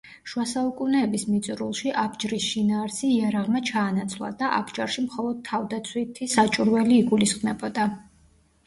შუა საუკუნეების მიწურულში „აბჯრის“ შინაარსი „იარაღმა“ ჩაანაცვლა და „აბჯარში“ მხოლოდ თავდაცვითი საჭურველი იგულისხმებოდა.